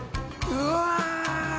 うわ！